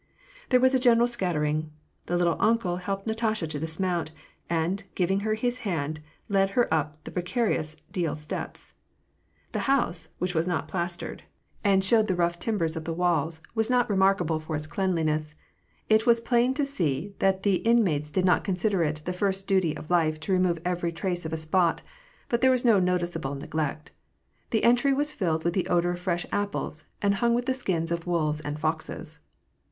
There was a general scattering. The " little uncle " helped Natasha to dismount, and? giving her his hand, led her up the precarious deal steps, The house, which was not plastereoi WAR AND PEACE. 271 I and showed the rough timbers of the walls, was not remark able for its cleanliness : it was plain to see that the in mates did not consider it the first duty of life to remove every trace of a spot ; but there was no noticeable neglect. The entry was filled with the odor of fresh apples, and hung with the skins of wolves and foxes.